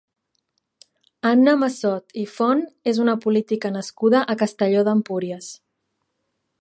Anna Massot i Font és una política nascuda a Castelló d'Empúries.